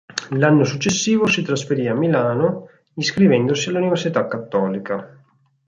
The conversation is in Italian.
L'anno successivo si trasferì a Milano iscrivendosi all'Università Cattolica.